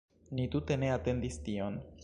Ni tute ne atendis tion